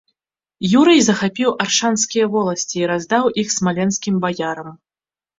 Юрый захапіў аршанскія воласці і раздаў іх смаленскім баярам.